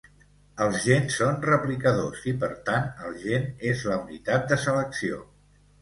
Els gens són replicadors, i per tant, el gen és la unitat de selecció.